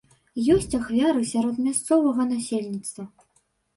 Ёсць ахвяры сярод мясцовага насельніцтва.